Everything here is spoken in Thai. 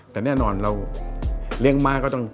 แต่แน่นอนเรียงม้าก็ต้อง